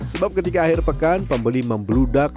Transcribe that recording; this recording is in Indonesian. sebab ketika akhir pekan pembeli membludak